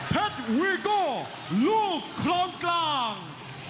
แพทย์วีโก้ลูกคล้องกลาง